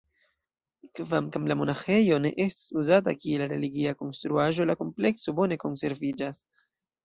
Kvankam la monaĥejo ne estas uzata kiel religia konstruaĵo, la komplekso bone konserviĝas.